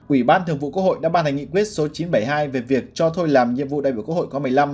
ủy ban thường vụ quốc hội đã ban hành nghị quyết số chín trăm bảy mươi hai về việc cho thôi làm nhiệm vụ đại biểu quốc hội khóa một mươi năm